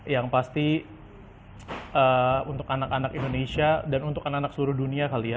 yang pasti untuk anak anak indonesia dan untuk anak anak seluruh dunia kali ya